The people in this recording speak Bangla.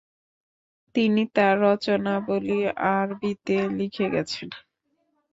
তিনি তার রচনাবলি আরবিতে লিখে গেছেন।